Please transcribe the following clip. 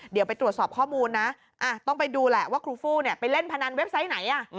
เดี๋ยวไปตรวจสอบข้อมูลนะต้องไปดูแหละว่าครูฟู้ไปเล่นพนันเว็บไซต์ไหน